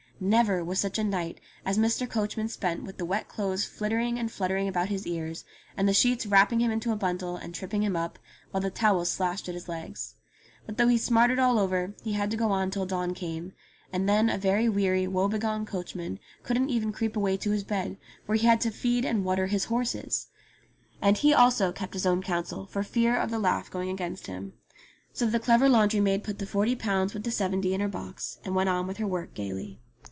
Never was such a night as Mr. Coachman spent with the wet clothes flittering and fluttering about his ears, and the sheets wrapping him into a bundle, and tripping him up, while the towels slashed at his legs. But though he smarted all over he had to go on till dawn came, and then a very weary woebegone coachman couldn't even creep away to his bed, for he had to feed and water his horses ! And he, also, kept his own counsel for fear of the laugh going against him ; so the clever laundry maid put the forty pounds with the seventy in her box, and went on with her work gaily.